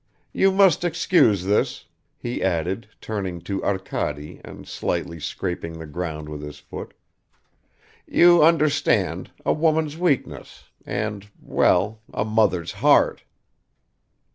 You must excuse this," he added, turning to Arkady and slightly scraping the ground with his foot: "You understand, a woman's weakness, and well, a mother's heart."